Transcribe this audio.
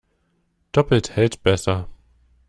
Doppelt hält besser.